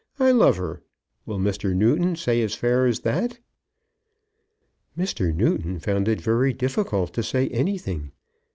"I love her. Will Mr. Newton say as fair as that?" Mr. Newton found it very difficult to say anything.